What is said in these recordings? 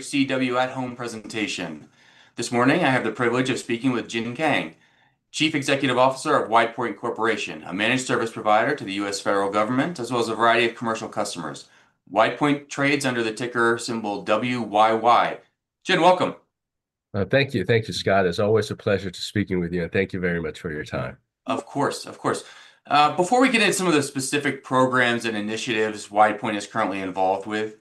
CW@Home presentation. This morning, I have the privilege of speaking with Jin Kang, Chief Executive Officer of WidePoint Corporation, a managed service provider to the U.S. federal government, as well as a variety of commercial customers. WidePoint trades under the ticker symbol WYY. Jin, welcome. Thank you. Thank you, Scott. It's always a pleasure speaking with you, and thank you very much for your time. Of course, of course. Before we get into some of the specific programs and initiatives WidePoint is currently involved with,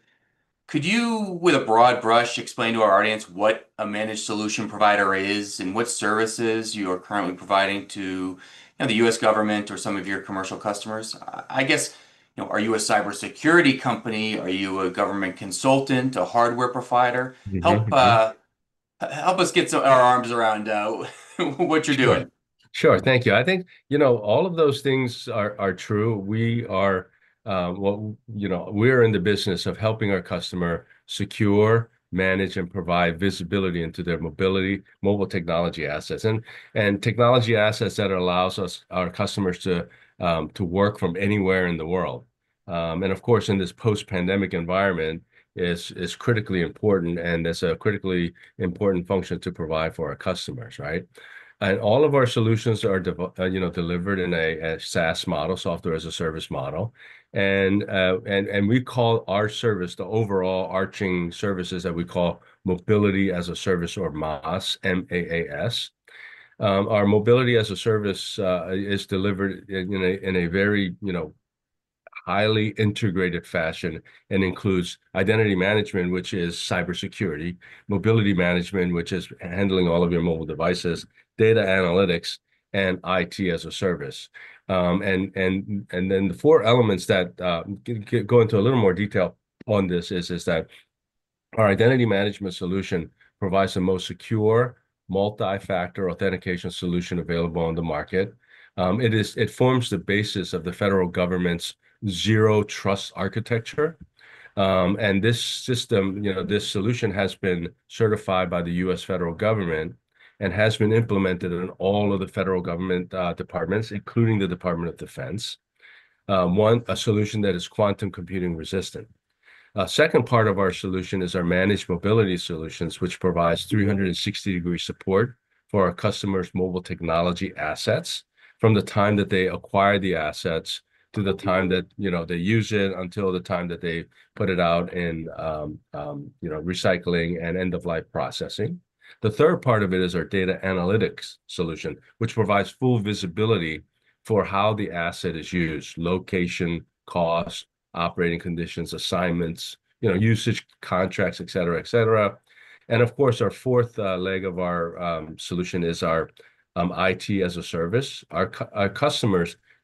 could you, with a broad brush, explain to our audience what a managed solution provider is and what services you are currently providing to the U.S. government or some of your commercial customers? I guess, are you a cybersecurity company? Are you a government consultant, a hardware provider? Help us get our arms around what you're doing. Sure, thank you. I think, you know, all of those things are true. We are, you know, we're in the business of helping our customers secure, manage, and provide visibility into their mobility, mobile technology assets, and technology assets that allow our customers to work from anywhere in the world. Of course, in this post-pandemic environment, it's critically important, and it's a critically important function to provide for our customers, right? All of our solutions are, Software as a Service model. we call our service, the overall arching Mobility as a Service or MaaS is delivered in a very, you know, highly integrated fashion and includes identity management, which is cybersecurity, mobility management, which is handling all of your mobile devices, data analytics, and IT as a Service. The four elements that go into a little more detail on this are that our identity management solution provides the most secure multi-factor authentication solution available on the market. It forms the basis of the federal government's zero trust architecture. This solution has been certified by the U.S. federal government and has been implemented in all of the federal government departments, including the Department of Defense. One, a solution that is quantum computing resistant. A second part of our solution is our managed mobility solutions, which provide 360-degree support for our customers' mobile technology assets from the time that they acquire the assets to the time that they use it until the time that they put it out in recycling and end-of-life processing. The third part of it is our data analytics solution, which provides full visibility for how the asset is used, location, cost, operating conditions, assignments, usage, contracts, etc., etc. Our fourth leg of our solution is IT as a Service.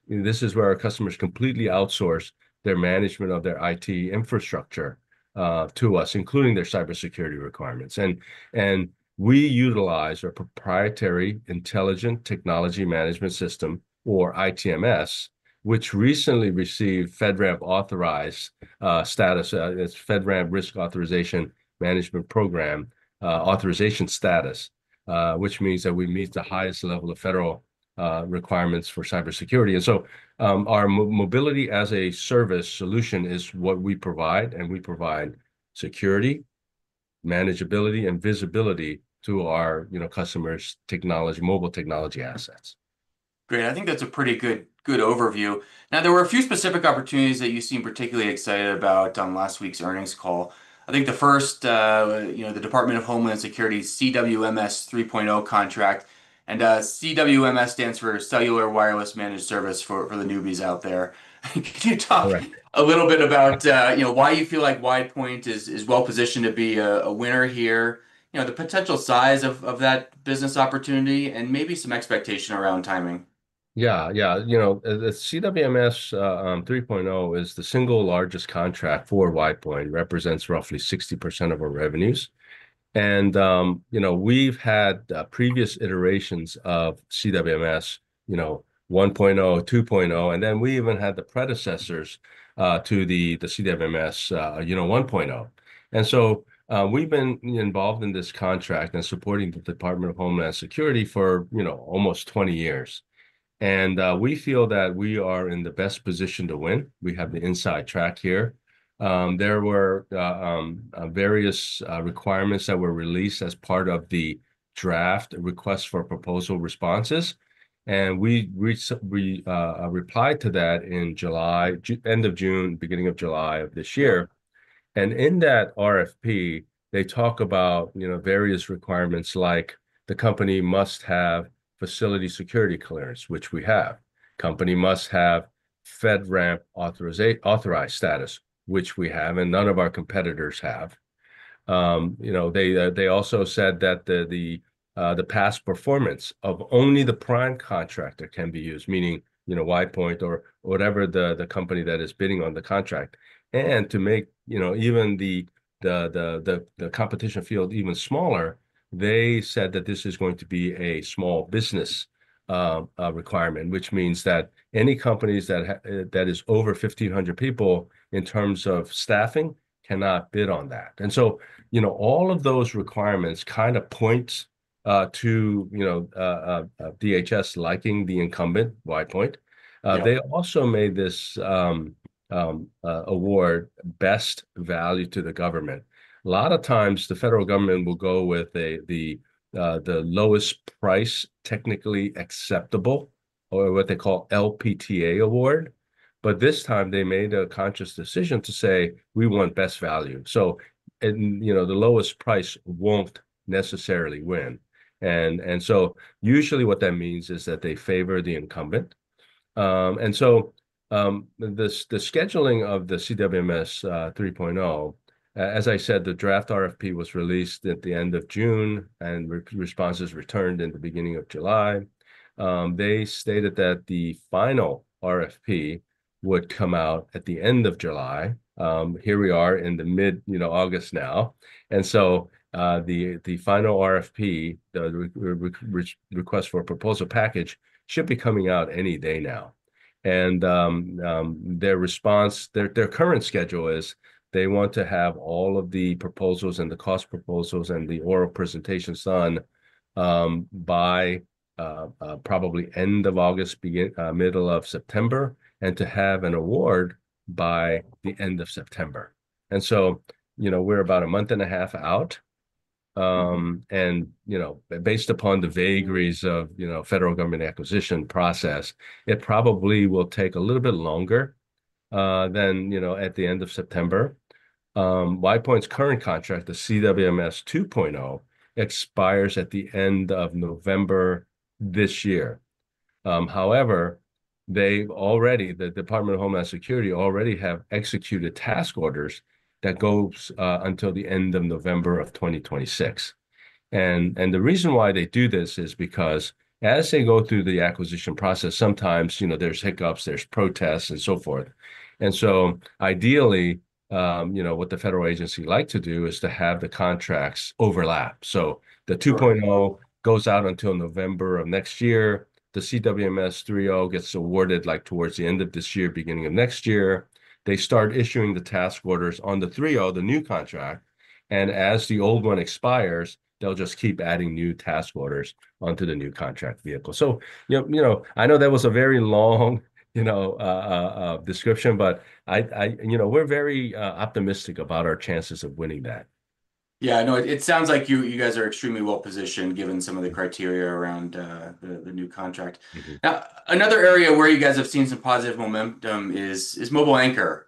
this is where our customers completely outsource their management of their IT infrastructure to us, including their cybersecurity requirements. We utilize our proprietary Intelligent Technology Management System, or ITMS, which recently received FedRAMP-authorized status. It's FedRAMP Risk Authorization Management Program authorization status, which means that we meet the highest level of federal requirements for cybersecurity. Mobility as a Service solution is what we provide, and we provide security, manageability, and visibility to our customers' technology, mobile technology assets. Great. I think that's a pretty good overview. There were a few specific opportunities that you seem particularly excited about on last week's earnings call. I think the first, the Department of Homeland Security, CWMS 3.0 contract. CWMS stands for Cellular Wireless Managed Service for the newbies out there. Can you talk a little bit about why you feel like WidePoint is well-positioned to be a winner here, the potential size of that business opportunity, and maybe some expectation around timing? Yeah, yeah. You know, the CWMS 3.0 is the single largest contract for WidePoint, represents roughly 60% of our revenues. We've had previous iterations of CWMS, you know, 1.0, 2.0, and then we even had the predecessors to the CWMS, you know, 1.0. We've been involved in this contract and supporting the Department of Homeland Security for almost 20 years. We feel that we are in the best position to win. We have the inside track here. There were various requirements that were released as part of the draft requests for proposal responses. We replied to that in July, end of June, beginning of July of this year. In that RFP, they talk about various requirements like the company must have facility security clearance, which we have. Company must have FedRAMP-authorized status, which we have, and none of our competitors have. They also said that the past performance of only the prime contractor can be used, meaning WidePoint or whatever the company that is bidding on the contract. To make the competition field even smaller, they said that this is going to be a small business requirement, which means that any companies that are over 1,500 people in terms of staffing cannot bid on that. All of those requirements kind of point to DHS liking the incumbent, WidePoint. They also made this award best value to the government. A lot of times, the federal government will go with the lowest price technically acceptable, or what they call LPTA award. This time, they made a conscious decision to say, we want best value. The lowest price won't necessarily win. Usually what that means is that they favor the incumbent. The scheduling of the CWMS 3.0, as I said, the draft RFP was released at the end of June, and responses returned in the beginning of July. They stated that the final RFP would come out at the end of July. Here we are in the mid, you know, August now. The final RFP, the request for a proposal package, should be coming out any day now. Their response, their current schedule is they want to have all of the proposals and the cost proposals and the oral presentations done by probably end of August, middle of September, and to have an award by the end of September. We're about a month and a half out. Based upon the vagaries of the federal government acquisition process, it probably will take a little bit longer than at the end of September. WidePoint's current contract, the CWMS 2.0, expires at the end of November this year. However, the Department of Homeland Security already has executed task orders that go until the end of November 2026. The reason why they do this is because as they go through the acquisition process, sometimes there are hiccups, protests, and so forth. Ideally, what the federal agency likes to do is to have the contracts overlap. The 2.0 goes out until November of next year. The CWMS 3.0 gets awarded towards the end of this year or beginning of next year. They start issuing the task orders on the 3.0, the new contract, and as the old one expires, they'll just keep adding new task orders onto the new contract vehicle. I know that was a very long description, but we're very optimistic about our chances of winning that. Yeah, I know it sounds like you guys are extremely well-positioned given some of the criteria around the new contract. Another area where you guys have seen some positive momentum is MobileAnchor,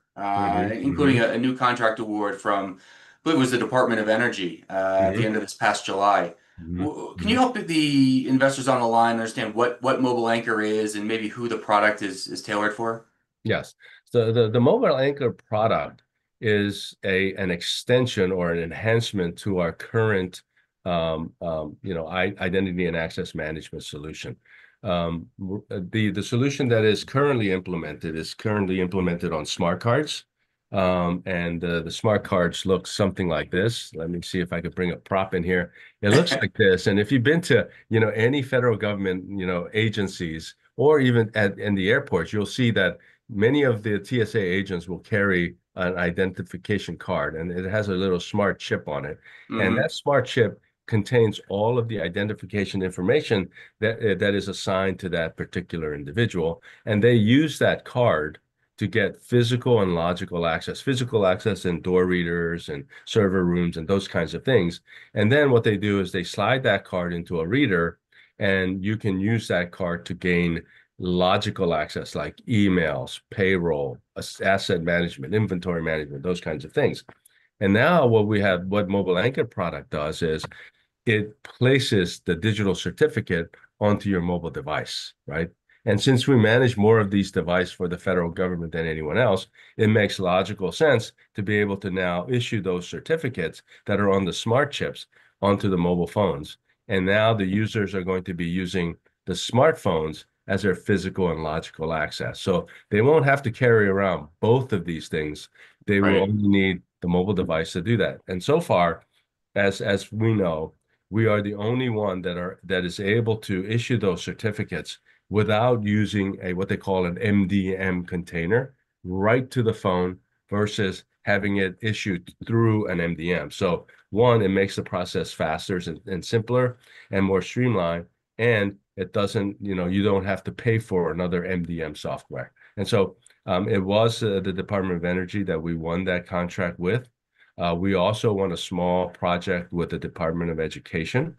including a new contract award from, I believe it was the Department of Energy at the end of this past July. Can you help the investors on the line understand what MobileAnchor is and maybe who the product is tailored for? Yes. The MobileAnchor product is an extension or an enhancement to our current identity and access management solution. The solution that is currently implemented is currently implemented on smart cards. The smart cards look something like this. Let me see if I could bring a prop in here. It looks like this. If you've been to any federal government agencies or even in the airports, you'll see that many of the TSA agents will carry an identification card, and it has a little smart chip on it. That smart chip contains all of the identification information that is assigned to that particular individual. They use that card to get physical and logical access, physical access and door readers and server rooms and those kinds of things. What they do is they slide that card into a reader, and you can use that card to gain logical access like emails, payroll, asset management, inventory management, those kinds of things. What we have, what MobileAnchor product does is it places the digital certificate onto your mobile device, right? Since we manage more of these devices for the federal government than anyone else, it makes logical sense to be able to now issue those certificates that are on the smart chips onto the mobile phones. Now the users are going to be using the smartphones as their physical and logical access. They won't have to carry around both of these things. They will only need the mobile device to do that. As far as we know, we are the only one that is able to issue those certificates without using what they call an MDM container right to the phone versus having it issued through an MDM. One, it makes the process faster and simpler and more streamlined. You don't have to pay for another MDM software. It was the Department of Energy that we won that contract with. We also won a small project with the Department of Education.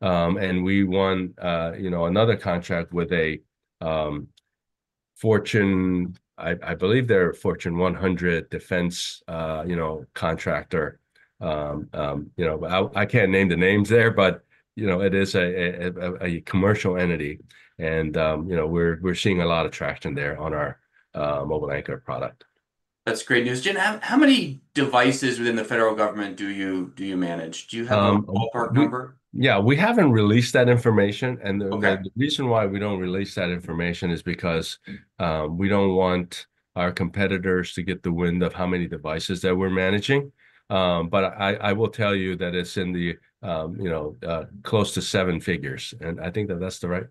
We won another contract with a Fortune 100 defense contractor. I can't name the names there, but it is a commercial entity. We're seeing a lot of traction there on our MobileAnchor product. That's great news. Jin, how many devices within the federal government do you manage? Do you have a ballpark number? Yeah, we haven't released that information. The reason why we don't release that information is because we don't want our competitors to get wind of how many devices that we're managing. I will tell you that it's in the, you know, close to seven figures. I think that that's right.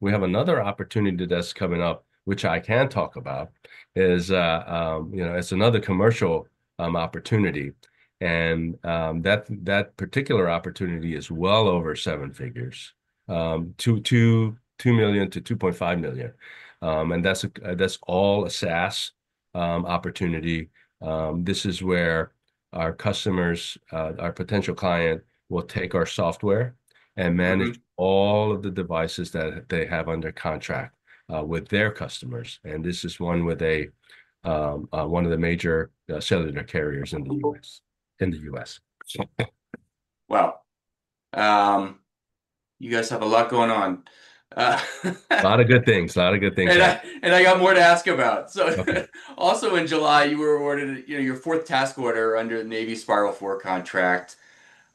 We have another opportunity that's coming up, which I can talk about. It's another commercial opportunity, and that particular opportunity is well over seven figures, $2 million-$2.5 million. That's all a SaaS opportunity. This is where our customers, our potential client, will take our software and manage all of the devices that they have under contract with their customers. This is one where they, one of the major cellular carriers in the U.S. Wow, you guys have a lot going on. A lot of good things, a lot of good things. I got more to ask about. Also in July, you were awarded your fourth task order under the Navy Spiral 4 contract.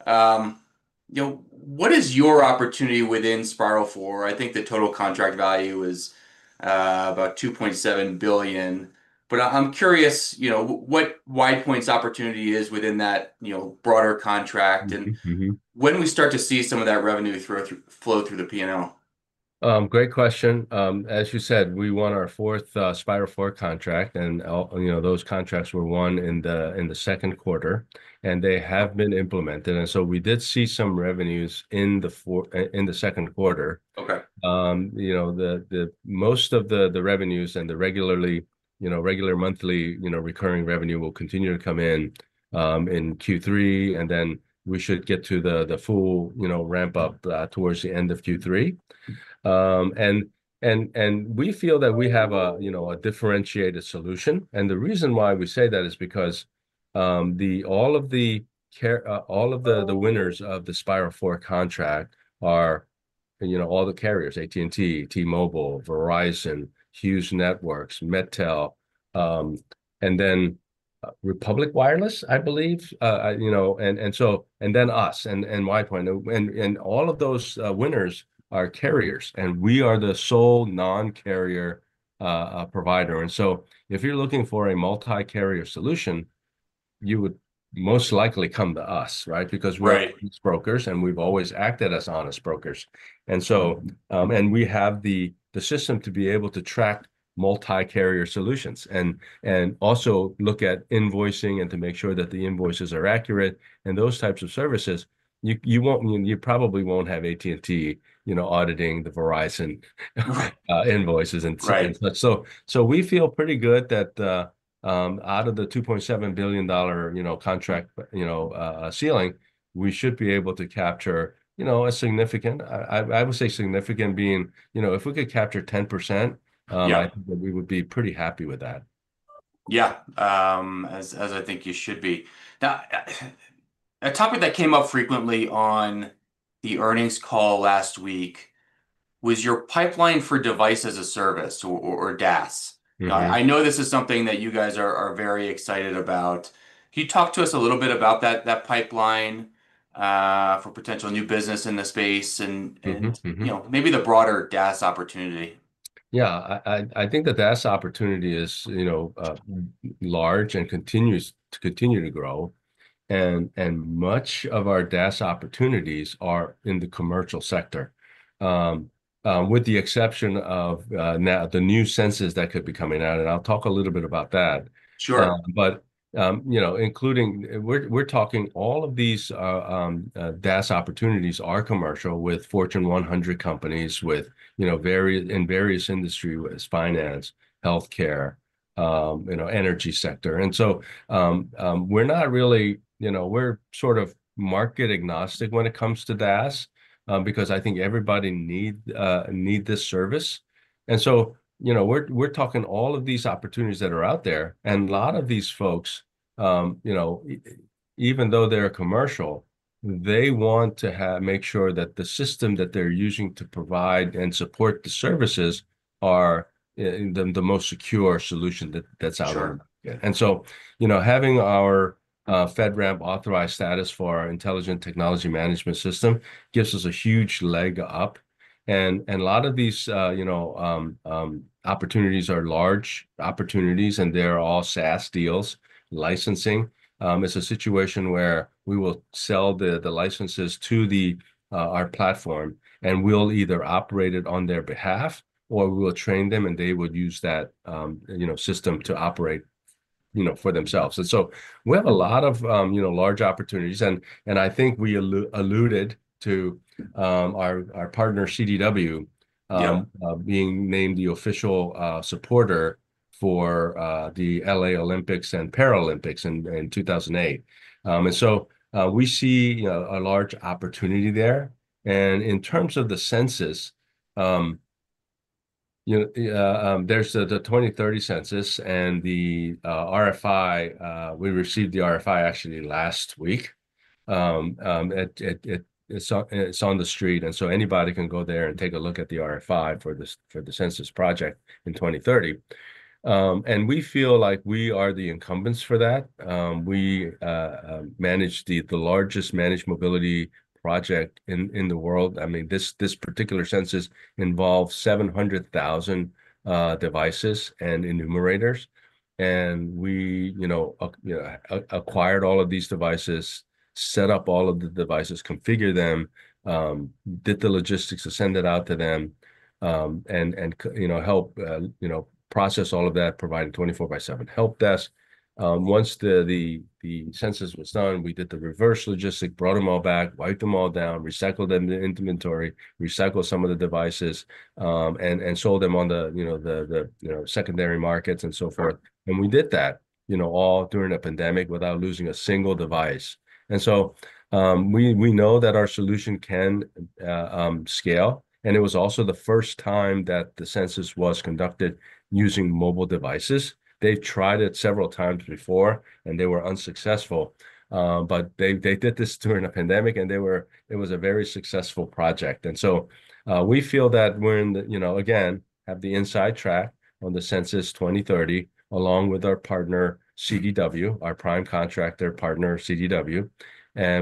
What is your opportunity within Spiral 4? I think the total contract value is about $2.7 billion. I'm curious what WidePoint's opportunity is within that broader contract, and when do we start to see some of that revenue flow through the P&L? Great question. As you said, we won our fourth Navy Spiral 4 contract. Those contracts were won in the second quarter, and they have been implemented. We did see some revenues in the second quarter. Most of the revenues and the regular monthly recurring revenue will continue to come in in Q3. We should get to the full ramp up towards the end of Q3. We feel that we have a differentiated solution. The reason why we say that is because all of the winners of the Navy Spiral 4 contract are all the carriers: AT&T, T-Mobile, Verizon, Hughes Networks, MEBTEL, and Republic Wireless, I believe, and then us, WidePoint. All of those winners are carriers, and we are the sole non-carrier provider. If you're looking for a multi-carrier solution, you would most likely come to us, right? We're honest brokers, and we've always acted as honest brokers. We have the system to be able to track multi-carrier solutions and also look at invoicing to make sure that the invoices are accurate and those types of services. You probably won't have AT&T auditing the Verizon invoices and such. We feel pretty good that out of the $2.7 billion contract ceiling, we should be able to capture a significant, I would say significant being, if we could capture 10%, I think that we would be pretty happy with that. Yeah, as I think you should be. A topic that came up frequently on the earnings call last week was your pipeline for Device as a Service or DaaS. I know this is something that you guys are very excited about. Can you talk to us a little bit about that pipeline for potential new business in the space and, you know, maybe the broader DaaS opportunity? Yeah, I think the DaaS opportunity is, you know, large and continues to grow. Much of our DaaS opportunities are in the commercial sector, with the exception of now the new sensors that could be coming out. I'll talk a little bit about that. Sure. Including, we're talking all of these DaaS opportunities are commercial with Fortune 100 companies in various industries: finance, healthcare, energy sector. We're not really, we're sort of market agnostic when it comes to DaaS because I think everybody needs this service. We're talking all of these opportunities that are out there. A lot of these folks, even though they're commercial, want to make sure that the system they're using to provide and support the services is the most secure solution that's out there. Having our FedRAMP-authorized status for our Intelligent Technology Management System gives us a huge leg up. A lot of these opportunities are large opportunities and they're all SaaS deals. Licensing is a situation where we will sell the licenses to our platform and we'll either operate it on their behalf or we will train them and they will use that system to operate for themselves. We have a lot of large opportunities. I think we alluded to our partner CDW being named the official supporter for the LA Olympics and Paralympics in 2028. We see a large opportunity there. In terms of the census, there's the 2030 census and the RFI, we received the RFI actually last week. It's on the street. Anybody can go there and take a look at the RFI for the census project in 2030. We feel like we are the incumbents for that. We manage the largest managed mobility project in the world. This particular census involves 700,000 devices and enumerators. We acquired all of these devices, set up all of the devices, configured them, did the logistics to send it out to them, and helped process all of that, providing [24x7] help desk. Once the census was done, we did the reverse logistics, brought them all back, wiped them all down, recycled them in the inventory, recycled some of the devices, and sold them on the secondary markets and so forth. We did that all during a pandemic without losing a single device. We know that our solution can scale. It was also the first time that the census was conducted using mobile devices. They tried it several times before and they were unsuccessful. They did this during a pandemic and it was a very successful project. We feel that we again have the inside track on the census 2030 along with our partner CDW, our prime contractor partner CDW.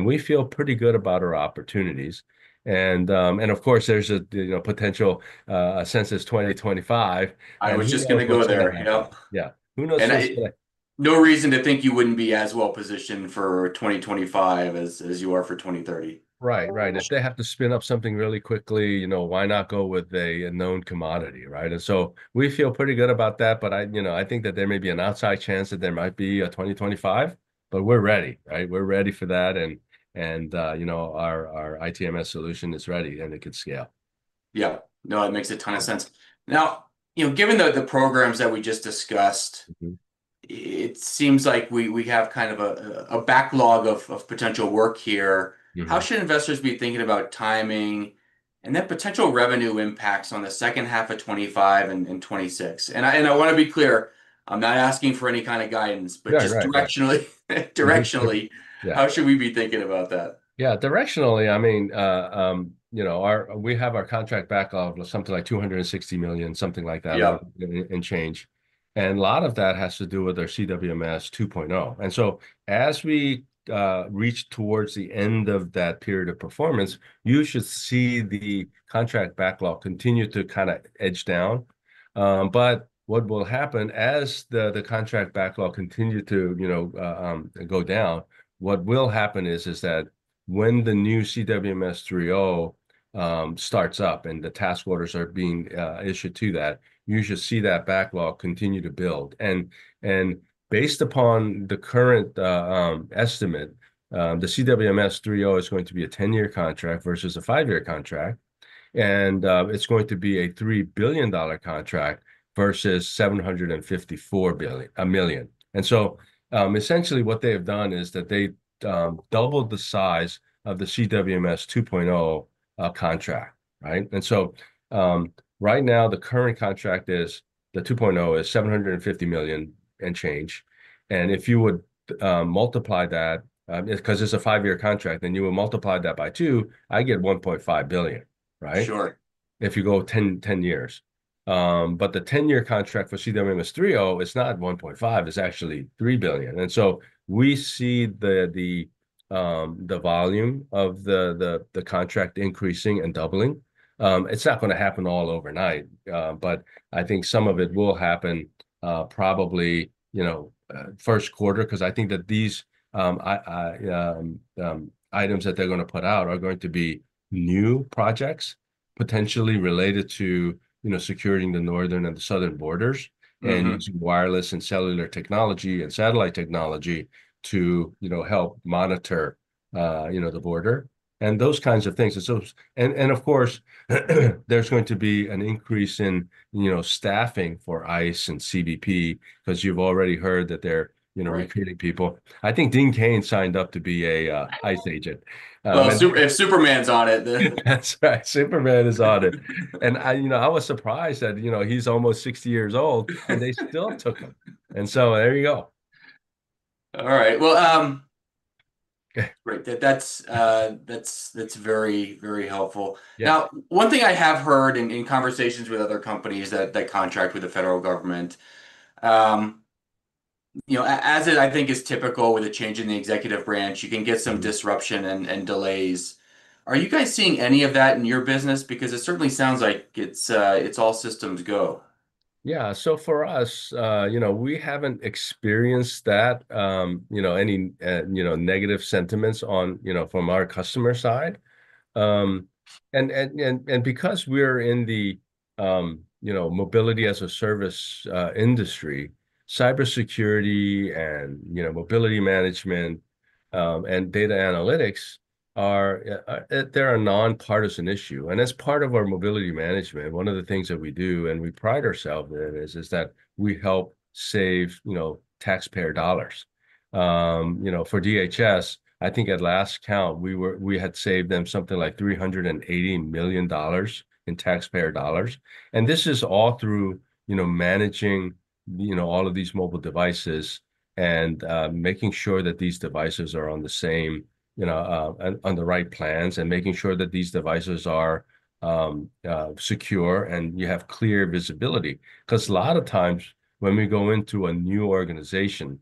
We feel pretty good about our opportunities. Of course, there's a potential census 2025. I was just going to go there. Yeah. Who knows? No reason to think you wouldn't be as well positioned for 2025 as you are for 2030. Right. If they have to spin up something really quickly, you know, why not go with a known commodity, right? We feel pretty good about that. I think that there may be an outside chance that there might be a 2025, but we're ready, right? We're ready for that. Our ITMS solution is ready and it could scale. Yeah, no, it makes a ton of sense. Now, given the programs that we just discussed, it seems like we have kind of a backlog of potential work here. How should investors be thinking about timing and that potential revenue impacts on the second half of 2025 and 2026? I want to be clear, I'm not asking for any kind of guidance, but just directionally, how should we be thinking about that? Yeah, directionally, I mean, you know, we have our contract backlog of something like $260 million, something like that, in change. A lot of that has to do with our CWMS 2.0. As we reach towards the end of that period of performance, you should see the contract backlog continue to kind of edge down. What will happen as the contract backlog continues to, you know, go down, what will happen is that when the new CWMS 3.0 starts up and the task orders are being issued to that, you should see that backlog continue to build. Based upon the current estimate, the CWMS 3.0 is going to be a 10-year contract versus a 5-year contract. It's going to be a $3 billion contract versus $754 million. Essentially what they've done is that they doubled the size of the CWMS 2.0 contract, right? Right now the current contract is the 2.0 is $750 million and change. If you would multiply that, because it's a 5-year contract, then you would multiply that by two, I get $1.5 billion, right? Sure. If you go 10 years, the 10-year contract for CWMS 3.0 is not $1.5 billion, it's actually $3 billion. We see the volume of the contract increasing and doubling. It's not going to happen all overnight, but I think some of it will happen probably, you know, first quarter, because I think that these items that they're going to put out are going to be new projects potentially related to, you know, securing the northern and the southern borders and using wireless and cellular technology and satellite technology to, you know, help monitor, you know, the border and those kinds of things. Of course, there's going to be an increase in, you know, staffing for ICE and CBP, because you've already heard that they're, you know, recruiting people. I think Dean Cain signed up to be an ICE agent. If Superman's on it. That's right. Superman is on it. I was surprised that he's almost 60 years old and they still took him. There you go. All right. Great. That's very, very helpful. Now, one thing I have heard in conversations with other companies that contract with the federal government, as I think is typical with a change in the executive branch, you can get some disruption and delays. Are you guys seeing any of that in your business? Because it certainly sounds like it's all systems go. Yeah. For us, we haven't experienced any negative sentiments from our customer side. Because we're in the Mobility as a Service industry, cybersecurity and mobility management and data analytics are a nonpartisan issue. As part of our mobility management, one of the things that we do and we pride ourselves in is that we help save taxpayer dollars. For the DHS, I think at last count, we had saved them something like $380 million in taxpayer dollars. This is all through managing all of these mobile devices and making sure that these devices are on the right plans and making sure that these devices are secure and you have clear visibility. A lot of times when we go into a new organization,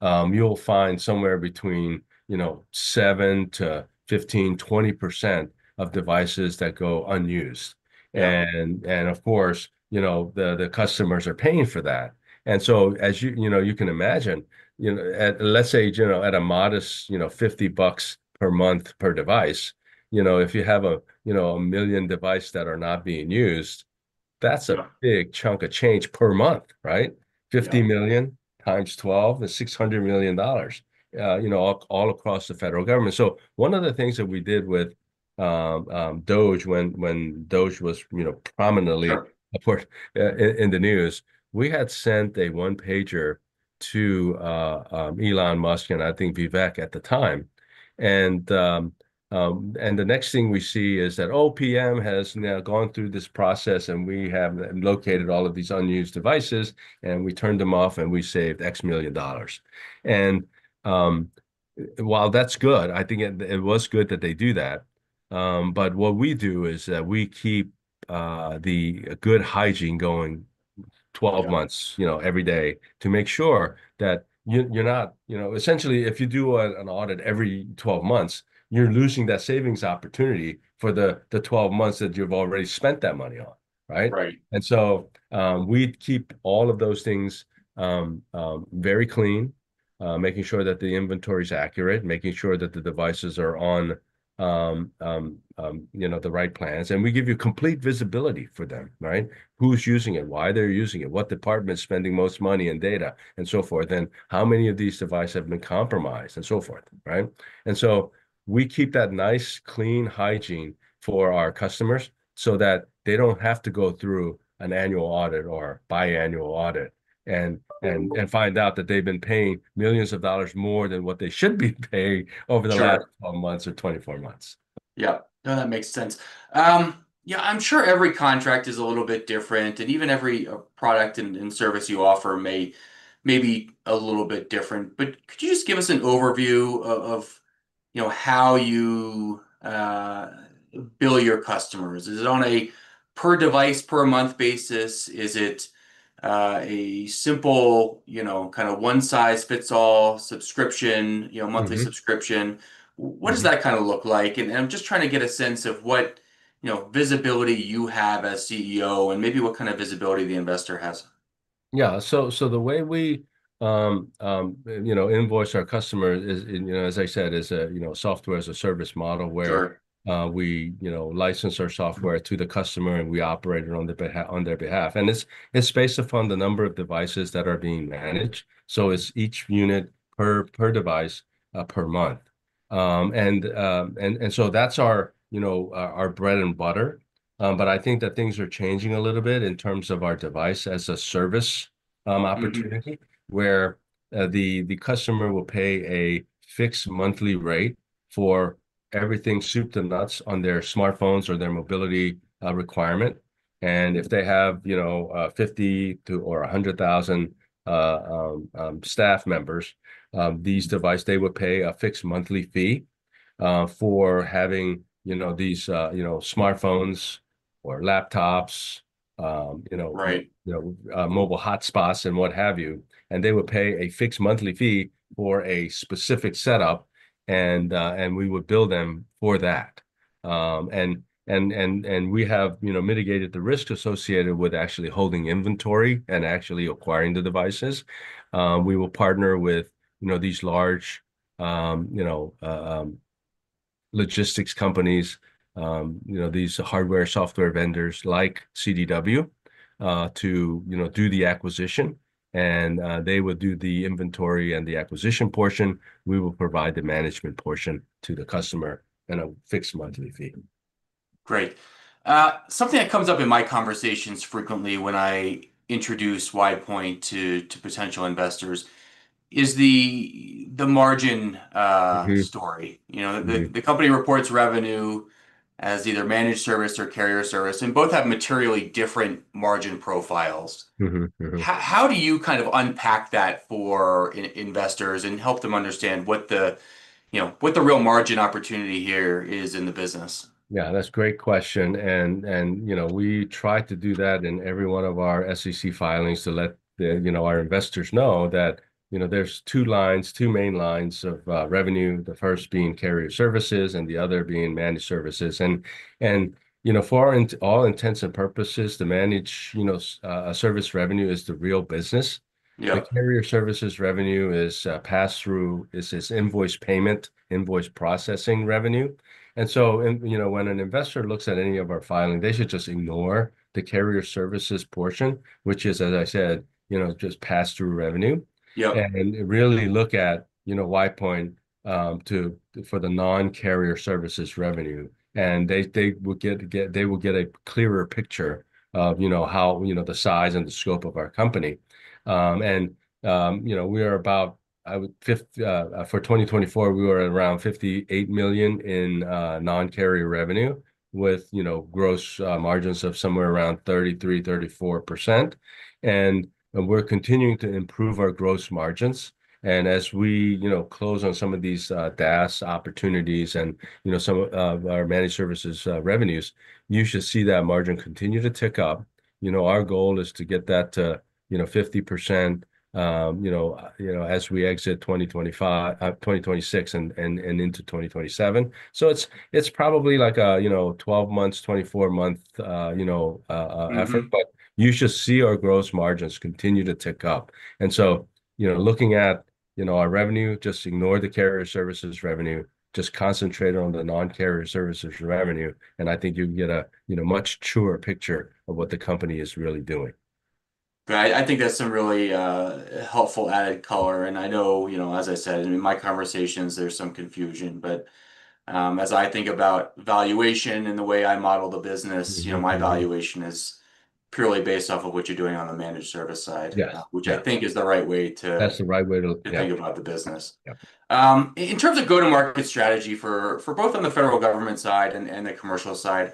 you'll find somewhere between 7%-15%, 20% of devices that go unused. Of course, the customers are paying for that. As you can imagine, let's say at a modest $50 per month per device, if you have 1 million devices that are not being used, that's a big chunk of change per month, right? $50 million x 12 is $600 million all across the federal government. One of the things that we did with DOGE when DOGE was prominently in the news, we had sent a one-pager to Elon Musk and I think Vivek at the time. The next thing we see is that OPM has now gone through this process and we have located all of these unused devices and we turned them off and we saved X million dollars. While that's good, I think it was good that they do that. What we do is that we keep the good hygiene going 12 months, every day to make sure that you're not, essentially if you do an audit every 12 months, you're losing that savings opportunity for the 12 months that you've already spent that money on, right? Right. We keep all of those things very clean, making sure that the inventory is accurate, making sure that the devices are on the right plans. We give you complete visibility for them, right? Who's using it, why they're using it, what department's spending the most money and data and so forth, and how many of these devices have been compromised and so forth, right? We keep that nice clean hygiene for our customers so that they don't have to go through an annual audit or biannual audit and find out that they've been paying millions of dollars more than what they should be paying over the last 12 months or 24 months. Yeah, no, that makes sense. I'm sure every contract is a little bit different and even every product and service you offer may be a little bit different. Could you just give us an overview of how you bill your customers? Is it on a per device per month basis? Is it a simple, kind of one size fits all subscription, monthly subscription? What does that kind of look like? I'm just trying to get a sense of what visibility you have as CEO and maybe what kind of visibility the investor has. Yeah, so the way we invoice our customer, as I said, Software as a Service model where we license our software to the customer and we operate it on their behalf. It's based upon the number of devices that are being managed, so it's each unit per device per month. That's our bread and butter. I think that things are changing a little bit in terms of our Device as a Service opportunity where the customer will pay a fixed monthly rate for everything soup to nuts on their smartphones or their mobility requirement. If they have 50,000 or 100,000 staff members, these devices, they would pay a fixed monthly fee for having these smartphones or laptops, mobile hotspots and what have you. They would pay a fixed monthly fee for a specific setup and we would bill them for that. We have mitigated the risk associated with actually holding inventory and actually acquiring the devices. We will partner with these large logistics companies, these hardware, software vendors like CDW to do the acquisition. They would do the inventory and the acquisition portion. We will provide the management portion to the customer and a fixed monthly fee. Great. Something that comes up in my conversations frequently when I introduce WidePoint to potential investors is the margin story. The company reports revenue as either managed service or carrier service, and both have materially different margin profiles. How do you kind of unpack that for investors and help them understand what the, you know, what the real margin opportunity here is in the business? Yeah, that's a great question. We try to do that in every one of our SEC filings to let our investors know that there's two lines, two main lines of revenue, the first being carrier services and the other being managed services. For all intents and purposes, the managed service revenue is the real business. The carrier services revenue is pass-through, is invoice payment, invoice processing revenue. When an investor looks at any of our filing, they should just ignore the carrier services portion, which is, as I said, just pass-through revenue, and really look at WidePoint for the non-carrier services revenue. They will get a clearer picture of how the size and the scope of our company. We are about, I would, for 2024, we were around $58 million in non-carrier revenue with gross margins of somewhere around 33%, 34%. We're continuing to improve our gross margins. As we close on some of these DaaS opportunities and some of our managed services revenues, you should see that margin continue to tick up. Our goal is to get that to 50% as we exit 2025 or 2026 and into 2027. It's probably like a 12 months, 24 months effort, but you should see our gross margins continue to tick up. Looking at our revenue, just ignore the carrier services revenue, just concentrate on the non-carrier services revenue. I think you can get a much truer picture of what the company is really doing. Right. I think that's some really helpful added color. I know, as I said, in my conversations, there's some confusion. As I think about valuation and the way I model the business, my valuation is purely based off of what you're doing on the managed service side, which I think is the right way to. That's the right way to think about the business. In terms of go-to-market strategy for both on the federal government side and the commercial side,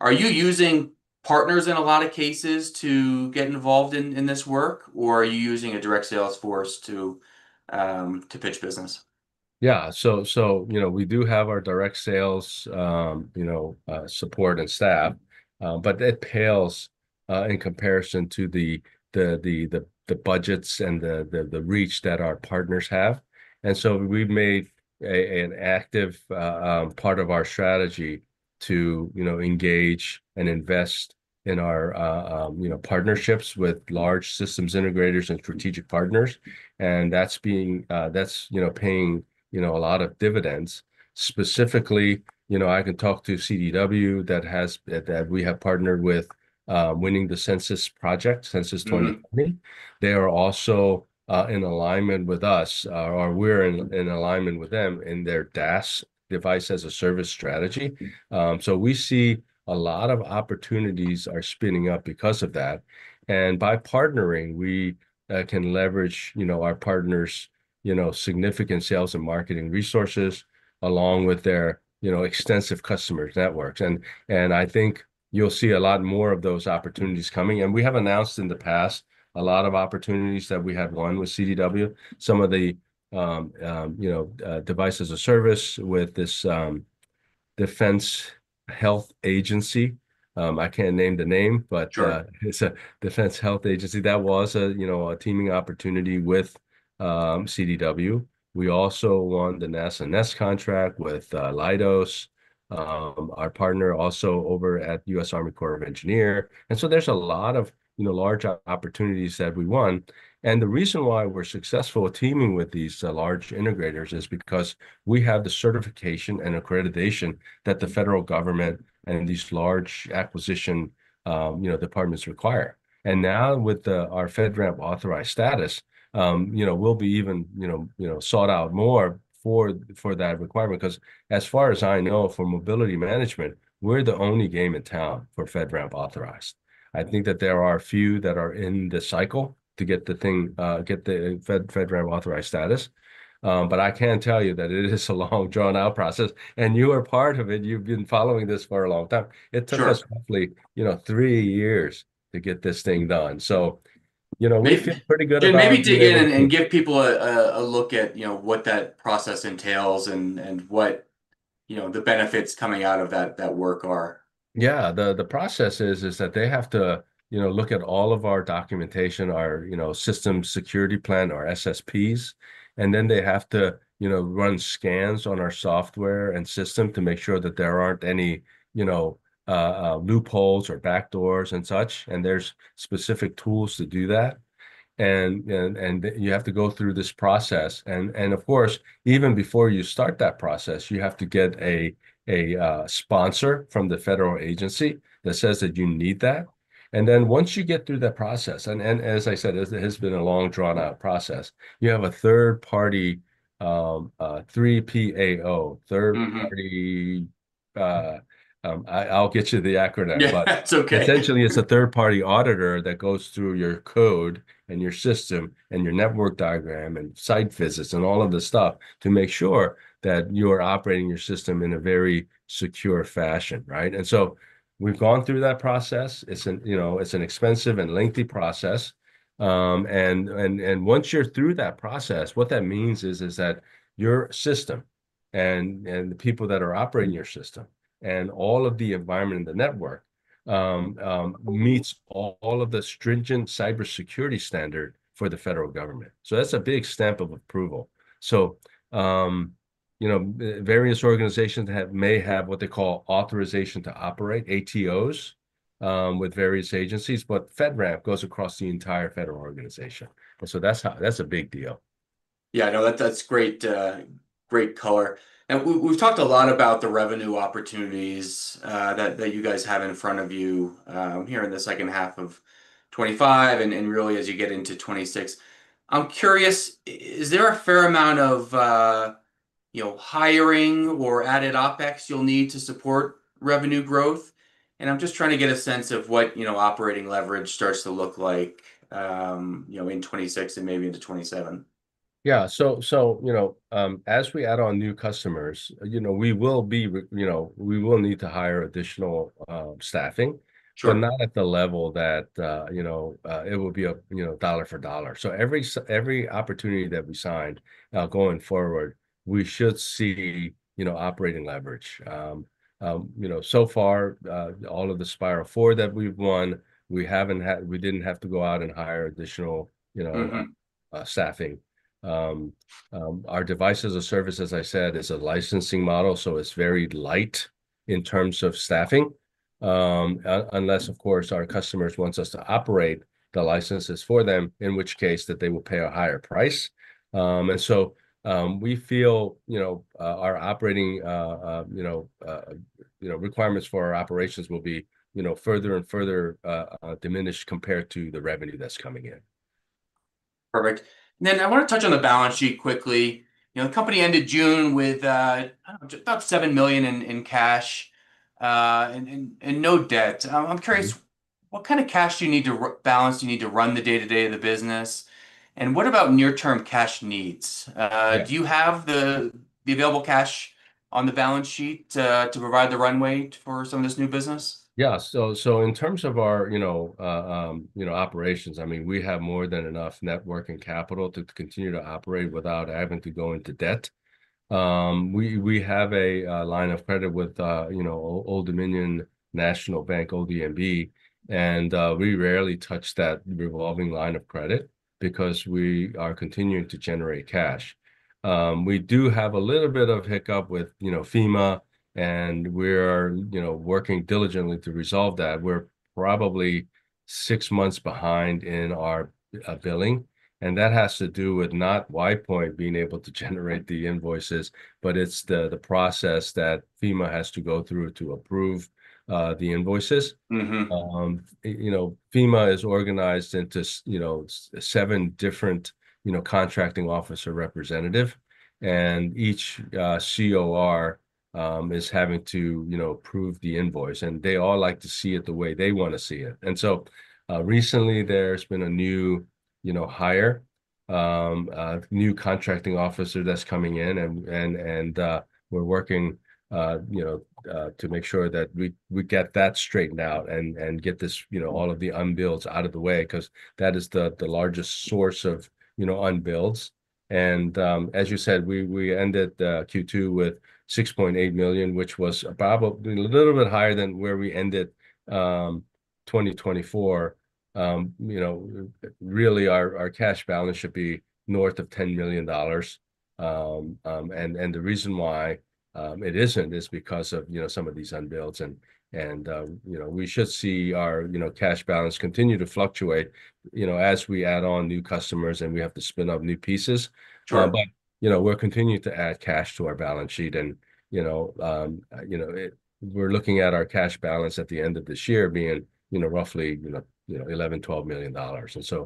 are you using partners in a lot of cases to get involved in this work, or are you using a direct sales force to pitch business? Yeah. We do have our direct sales support and staff, but it pales in comparison to the budgets and the reach that our partners have. We have made an active part of our strategy to engage and invest in our partnerships with large systems integrators and strategic partners. That is paying a lot of dividends. Specifically, I can talk to CDW that we have partnered with, winning the U.S. Census project, Census 2020. They are also in alignment with us, or we're in alignment with them in their DaaS, Device as a Service strategy. we see a lot of opportunities spinning up because of that. By partnering, we can leverage our partners' significant sales and marketing resources along with their extensive customer networks. I think you'll see a lot more of those opportunities coming. We have announced in the past a lot of opportunities that we had won with CDW. Some of the Device as a Service with this defense health agency—I can't name the name, but it's a defense health agency. That was a teaming opportunity with CDW. We also won the NASA NEST contract with Leidos, our partner also over at the U.S. Army Corps of Engineers. There are a lot of large opportunities that we won. The reason why we're successful teaming with these large integrators is because we have the certification and accreditation that the federal government and these large acquisition departments require. Now with our FedRAMP-authorized status, we will be even more sought out for that requirement. As far as I know, for mobility management, we're the only game in town for FedRAMP-authorized. I think that there are a few that are in the cycle to get the FedRAMP-authorized status, but I can tell you that it is a long, drawn-out process. You are part of it. You've been following this for a long time. It took us roughly three years to get this thing done. We feel pretty good about it. Maybe dig in and give people a look at what that process entails and what the benefits coming out of that work are. Yeah, the process is that they have to look at all of our documentation, our system security plan, our SSPs. They have to run scans on our software and system to make sure that there aren't any loopholes or backdoors and such. There are specific tools to do that. You have to go through this process. Of course, even before you start that process, you have to get a sponsor from the federal agency that says that you need that. Once you get through that process, and as I said, it has been a long drawn-out process, you have a third party, 3PAO, third party, I'll get you the acronym, but essentially it's a third party auditor that goes through your code and your system and your network diagram and site visits and all of this stuff to make sure that you're operating your system in a very secure fashion, right? We've gone through that process. It's an expensive and lengthy process. Once you're through that process, what that means is that your system and the people that are operating your system and all of the environment in the network meets all of the stringent cybersecurity standards for the federal government. That's a big stamp of approval. Various organizations may have what they call authorization to operate, ATOs, with various agencies, but FedRAMP goes across the entire federal organization. That's a big deal. That's great, great color. We've talked a lot about the revenue opportunities that you guys have in front of you here in the second half of 2025. Really, as you get into 2026, I'm curious, is there a fair amount of hiring or added OpEx you'll need to support revenue growth? I'm just trying to get a sense of what operating leverage starts to look like in 2026 and maybe into 2027. Yeah, as we add on new customers, we will need to hire additional staffing. Sure. Not at the level that, you know, it will be a dollar for dollar. Every opportunity that we signed going forward, we should see, you know, operating leverage. You know, so far, all of the Navy Spiral 4 that we've won, we didn't have to go out and hire additional, you know, staffing. Our Device as a Service, as i said, is a licensing model. It's very light in terms of staffing, unless, of course, our customers want us to operate the licenses for them, in which case they will pay a higher price. We feel, you know, our operating, you know, requirements for our operations will be, you know, further and further diminished compared to the revenue that's coming in. Perfect. I want to touch on the balance sheet quickly. You know, the company ended June with about $7 million in cash and no debt. I'm curious, what kind of cash do you need to balance, do you need to run the day-to-day of the business? What about near-term cash needs? Do you have the available cash on the balance sheet to provide the runway for some of this new business? Yeah, so in terms of our operations, I mean, we have more than enough network and capital to continue to operate without having to go into debt. We have a line of credit with Old Dominion National Bank, ODMB. We rarely touch that revolving line of credit because we are continuing to generate cash. We do have a little bit of hiccup with FEMA, and we are working diligently to resolve that. We're probably six months behind in our billing. That has to do with not WidePoint being able to generate the invoices, but it's the process that FEMA has to go through to approve the invoices. FEMA is organized into seven different contracting officer representatives, and each COR is having to approve the invoice. They all like to see it the way they want to see it. Recently, there's been a new hire, new contracting officer that's coming in. We're working to make sure that we get that straightened out and get all of the unbills out of the way, because that is the largest source of unbills. As you said, we ended Q2 with $6.8 million, which was probably a little bit higher than where we ended 2024. Really, our cash balance should be north of $10 million. The reason why it isn't is because of some of these unbills. We should see our cash balance continue to fluctuate as we add on new customers and we have to spin up new pieces. Sure. We're continuing to add cash to our balance sheet. We're looking at our cash balance at the end of this year being roughly $11 million, $12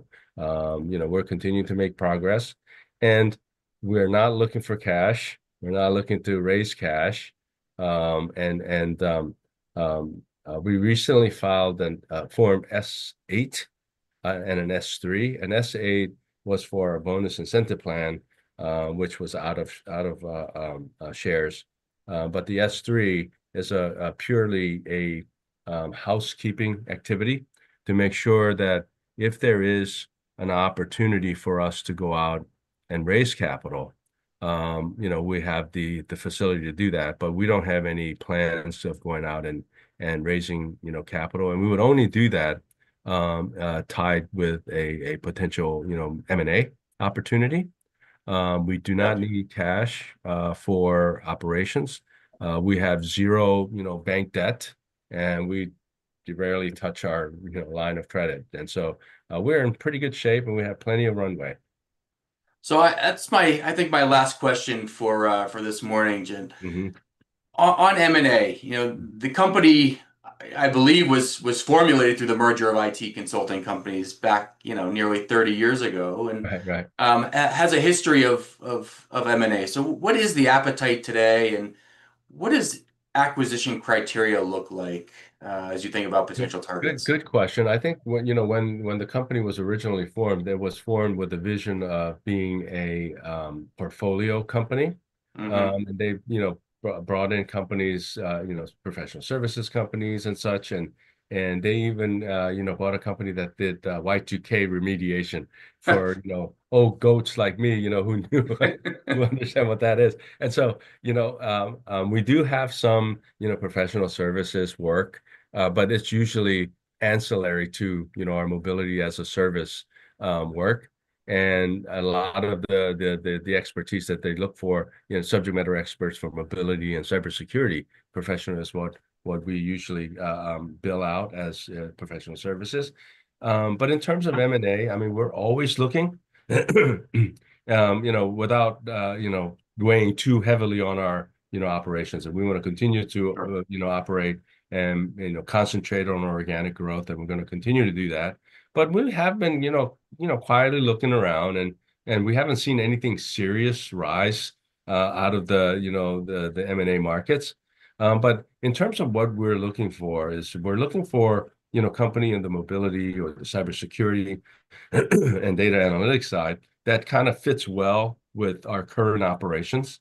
million. We're continuing to make progress. We're not looking for cash. We're not looking to raise cash. We recently filed a Form S-8 and an S-3. The S-8 was for a bonus incentive plan, which was out of shares. The S-3 is purely a housekeeping activity to make sure that if there is an opportunity for us to go out and raise capital, we have the facility to do that. We don't have any plans of going out and raising capital. We would only do that tied with a potential M&A opportunity. We do not need cash for operations. We have zero bank debt. We rarely touch our line of credit. We're in pretty good shape and we have plenty of runway. I think my last question for this morning, Jin, is on M&A. You know, the company, I believe, was formulated through the merger of IT consulting companies back nearly 30 years ago and has a history of M&A. What is the appetite today? What does acquisition criteria look like as you think about potential targets? Good question. I think, you know, when the company was originally formed, it was formed with the vision of being a portfolio company. They brought in companies, professional services companies and such. They even bought a company that did Y2K remediation for, you know, old goats like me, you know, who understand what that is. We do have some professional services work, but it's usually ancillary to Mobility as a Service work. a lot of the expertise that they look for, subject matter experts for mobility and cybersecurity professionals, is what we usually bill out as professional services. In terms of M&A, I mean, we're always looking, without weighing too heavily on our operations. If we want to continue to operate and concentrate on organic growth, then we're going to continue to do that. We have been quietly looking around, and we haven't seen anything serious rise out of the M&A markets. In terms of what we're looking for, we're looking for a company in the mobility or the cybersecurity and data analytics side that kind of fits well with our current operations.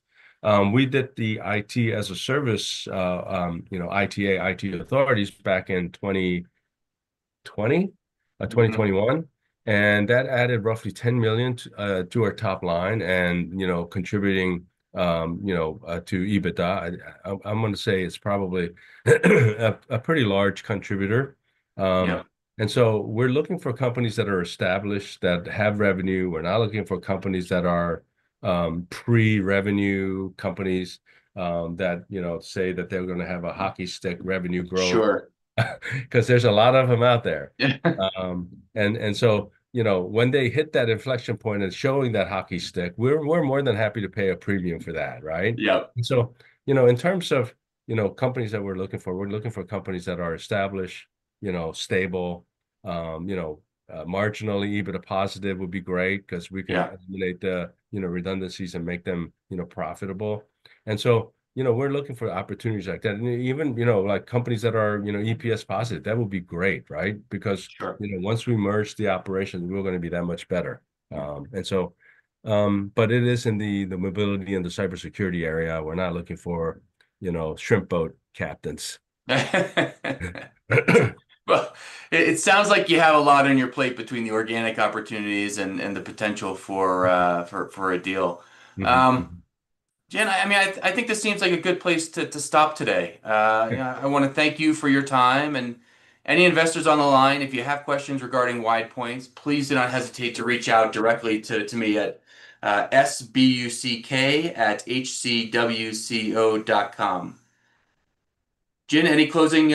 We did the IT as a Service, IT Authorities back in 2020, 2021, and that added roughly $10 million to our top line and contributing to EBITDA. I'm going to say it's probably a pretty large contributor. We're looking for companies that are established that have revenue. We're not looking for companies that are pre-revenue companies that say that they're going to have a hockey stick revenue growth. Sure. There are a lot of them out there. When they hit that inflection point of showing that hockey stick, we're more than happy to pay a premium for that, right? Yeah. In terms of companies that we're looking for, we're looking for companies that are established, stable, marginally EBITDA positive would be great because we can eliminate the redundancies and make them profitable. We're looking for opportunities like that. Even companies that are EPS positive, that would be great, right? Because once we merge the operations, we're going to be that much better. It is in the mobility and the cybersecurity area. We're not looking for shrimp boat captains. It sounds like you have a lot on your plate between the organic opportunities and the potential for a deal. Jin, I think this seems like a good place to stop today. I want to thank you for your time. Any investors on the line, if you have questions regarding WidePoint, please do not hesitate to reach out directly to me at sbuck@hcwco.com. Jin, any closing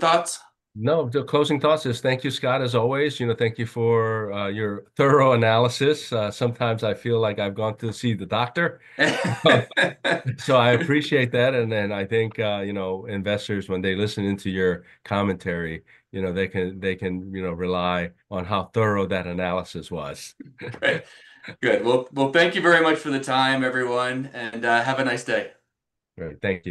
thoughts? No, the closing thoughts is thank you, Scott, as always. Thank you for your thorough analysis. Sometimes I feel like I've gone to see the doctor. I appreciate that. I think investors, when they listen into your commentary, they can rely on how thorough that analysis was. Thank you very much for the time, everyone. Have a nice day. All right. Thank you.